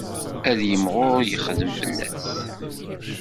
Ad yimɣur yexdem fell-as.